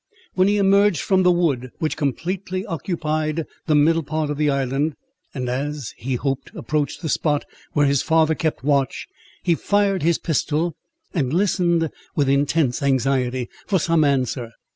When he emerged from the wood, which completely occupied the middle part of the island (and, as he hoped, approached the spot where his father kept watch), he fired his pistol, and listened with intense anxiety, for some answer.